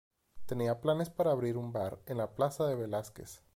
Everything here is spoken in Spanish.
Tenía planes para abrir un bar en la Plaza de Velázquez.